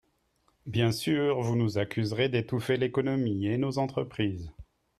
Bien sûr, vous nous accuserez d’étouffer l’économie et nos entreprises.